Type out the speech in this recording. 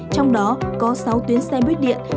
trong đó có sáu tuyến xe buýt điện